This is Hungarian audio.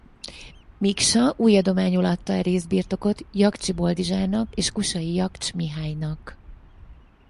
Miksa új adományul adta e részbirtokot Jakcsi Boldizsárnak és Kusalyi Jakcs Mihálynak.